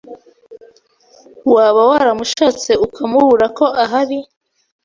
waba waramushatse ukamubura ko ahari